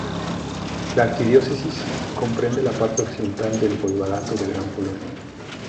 La arquidiócesis comprende la parte occidental del voivodato de Gran Polonia.